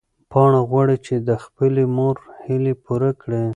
پاڼه غواړي چې د خپلې مور هیلې پوره کړي.